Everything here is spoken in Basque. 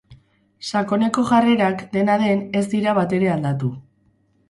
Sakoneko jarrerak, dena den, ez dira batere aldatu.